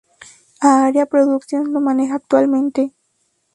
A Aria Productions la maneja actualmente.